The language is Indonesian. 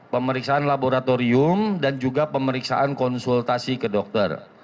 pemeriksaan laboratorium dan juga pemeriksaan konsultasi ke dokter